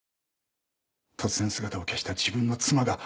突然姿を消した自分の妻が。